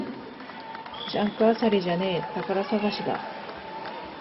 ジャンク漁りじゃねえ、宝探しだ